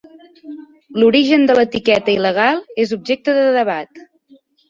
L'origen de l'etiqueta il·legal és objecte de debat.